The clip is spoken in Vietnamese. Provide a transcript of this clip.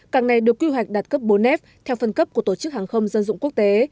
cảng này được quy hoạch đạt cấp bốn f theo phân cấp của tổ chức hàng không dân dụng quốc tế